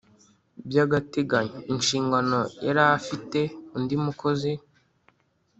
By agateganyo inshingano yari afite undi mukozi